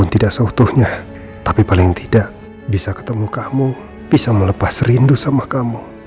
tidurnya ditemenin sama suspirna ya